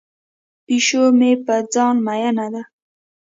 پیشو مې په ځان مین دی.